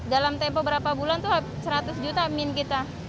dalam tempo berapa bulan itu seratus juta min kita